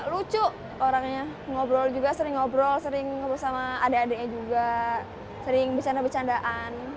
lucu orangnya ngobrol juga sering ngobrol sering bersama adik adiknya juga sering bercanda bercandaan